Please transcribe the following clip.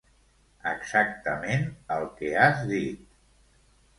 Exactament el que has dit.